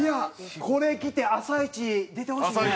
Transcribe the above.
これ着て『あさイチ』出てほしいね。